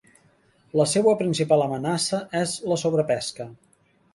La seua principal amenaça és la sobrepesca.